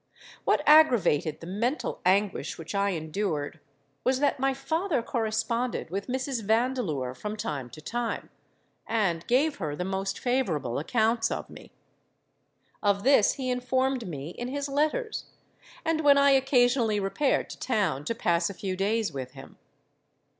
What aggravated the mental anguish which I endured, was that my father corresponded with Mrs. Vandeleur from time to time, and gave her the most favourable accounts of me. Of this he informed me in his letters, and when I occasionally repaired to town to pass a few days with him.